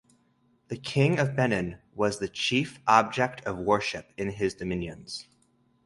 The king of Benin was the chief object of worship in his dominions.